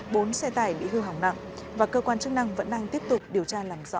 bốn xe tải bị hư hỏng nặng và cơ quan chức năng vẫn đang tiếp tục điều tra làm rõ